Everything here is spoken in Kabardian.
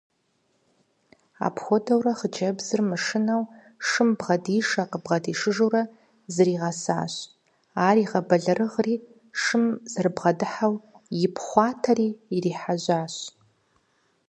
Апхуэдэурэ хъыджэбзыр мышынэу шым бгъэдишэ–къыбгъэдишыжурэ зэригъэсащ, ар игъэбэлэрыгъри шым зэрыбгъэдыхьэу ипхъуатэри ирихьэжьащ.